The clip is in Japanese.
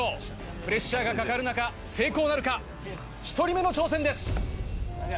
プレッシャーがかかる中成功なるか⁉１人目の挑戦です。